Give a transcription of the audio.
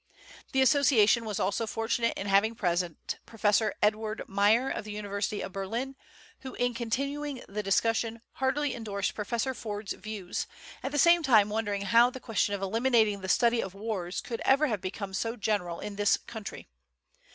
The Association was also fortunate in having present Professor Eduard Meyer, of the University of Berlin, who, in continuing the discussion, heartily endorsed Professor Ford's views, at the same time wondering how the question of eliminating the study of wars could ever have become so general in this country.